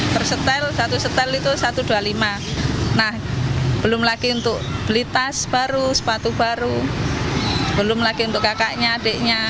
tersetel satu setel itu satu ratus dua puluh lima nah belum lagi untuk beli tas baru sepatu baru belum lagi untuk kakaknya adiknya